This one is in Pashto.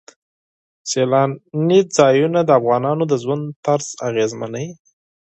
سیلانی ځایونه د افغانانو د ژوند طرز اغېزمنوي.